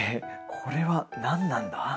これは何なんだ？